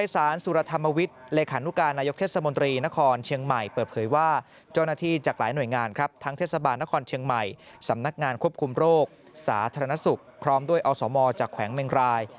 สำนักงานควบคุมโรคสาธารณสุขพร้อมด้วยออสโหมอจากแขวงแมงราย